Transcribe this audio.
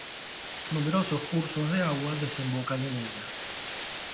Numerosos cursos de agua desembocan en ella.